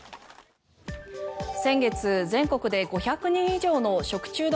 先月全国で５００人以上の食中毒